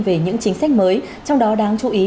về những chính sách mới trong đó đáng chú ý